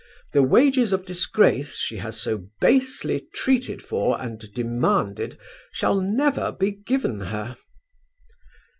The wages of disgrace she has so basely treated for and demanded shall never be given her.